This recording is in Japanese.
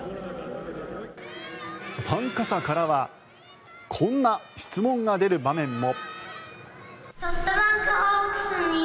参加者からはこんな質問が出る場面も。